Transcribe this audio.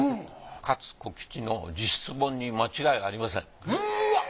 勝小吉の自筆本に間違いありません。